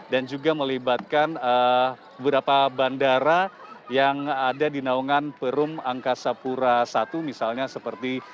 dan juga melibatkan beberapa bandara yang ada di naungan perum angkasa pura i misalnya seperti